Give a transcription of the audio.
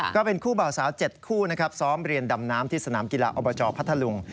ก็เป็นคู่บ่าวสาว๗คู่นะครับซ้อมเรียนดำน้ำที่สนามกีฬาอบจพัทธลุง